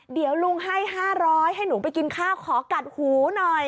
เดี๋ยวลุงให้๕๐๐ให้หนูไปกินข้าวขอกัดหูหน่อย